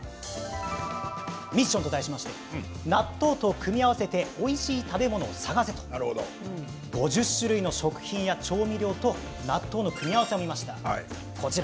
ミッションと題しまして納豆と組み合わせておいしい食べ物を探せと５０種類の食品や調味料と納豆の組み合わせを見ました。